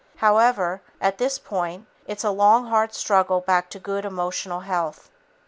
However, at this point it's a long hard struggle back to good emotional health.